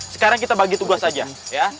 sekarang kita bagi tugas saja ya